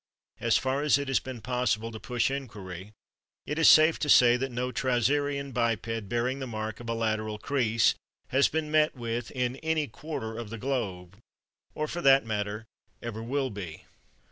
As far as it has been possible to push inquiry, it is safe to say that no trouserian biped bearing the mark of a lateral crease has been met with in any quarter of the Globe, or, for that matter, ever will be.